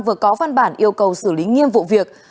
vừa có văn bản yêu cầu xử lý nghiêm vụ việc